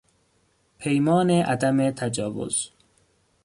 پیمان عدم تجاوز